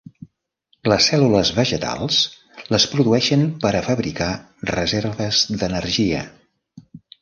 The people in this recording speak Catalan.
Les cèl·lules vegetals les produïxen per a fabricar reserves d'energia.